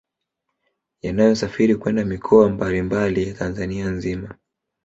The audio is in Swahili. Yanayosafiri kwenda mikoa mbali mbali ya Tanzania nzima